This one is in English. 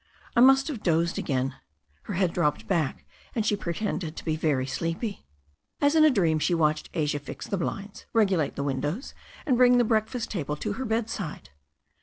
"I must have dozed again." Her head dropped back, and she pretended to be very sleepy. As in a dream she watched Asia fix the blinds, regelate the windows, and bring the breakfast table to her bedside.